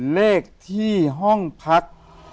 เลขที่ห้องพัก